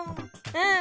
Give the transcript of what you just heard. うん！